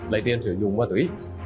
lấy tiền sử dụng ma túy